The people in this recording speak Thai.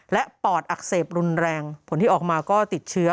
และปอดอักเสบรุนแรงผลที่ออกมาก็ติดเชื้อ